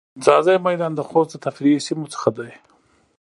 ځاځی میدان د خوست د تفریحی سیمو څخه ده.